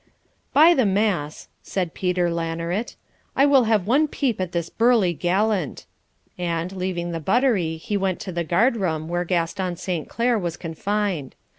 'By the mass,' said Peter Lanaret, 'I will have one peep at this burly gallant'; and, leaving the buttery, he went to the guard room where Gaston Saint Clere was confined.